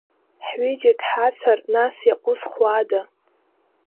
Ҳҩыџьагь ҳацәар, нас иаҟәызхуада?